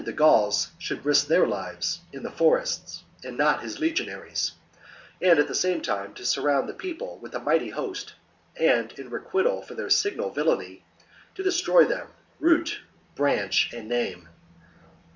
gj^^^g^ ^^^^ Gauls should Hsk their lives in the forests and not his legionaries, and at the same time to surround the people with a mighty host, and, in requital for their signal villainy, to destroy them, root, branch, and name.